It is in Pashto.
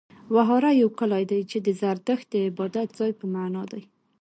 وهاره يو کلی دی، چې د زرتښت د عبادت ځای په معنا دی.